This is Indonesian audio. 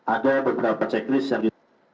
ada beberapa checklist yang